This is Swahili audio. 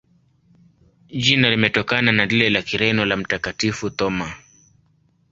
Jina limetokana na lile la Kireno la Mtakatifu Thoma.